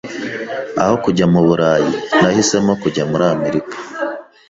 Aho kujya mu Burayi, nahisemo kujya muri Amerika.